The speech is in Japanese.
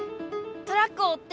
トラックをおって！